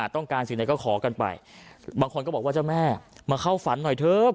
ต้องการสิ่งไหนก็ขอกันไปบางคนก็บอกว่าเจ้าแม่มาเข้าฝันหน่อยเถอะ